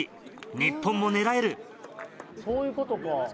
日本も狙える。